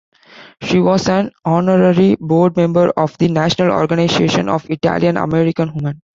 She was an honorary board member of the National Organization of Italian American Women.